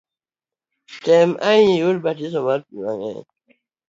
Tem ahinya iyud batiso mar pi mang’eny